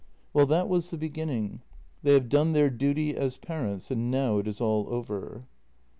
Well, that was the beginning — they have done their duty as parents, and now it is all over.